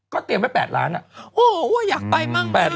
ก็เตรียมไว้๘ล้านโอ้อยากไปบ้างเลย